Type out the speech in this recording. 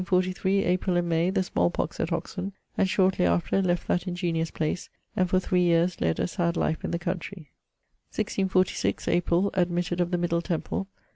1643: April and May, the small pox at Oxon; and shortly after, left that ingeniouse place; and for three yeares led a sad life in the countrey. 1646: April , admitted of the Middle Temple.